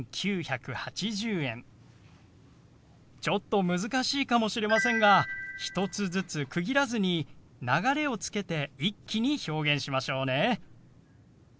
ちょっと難しいかもしれませんが１つずつ区切らずに流れをつけて一気に表現しましょうね。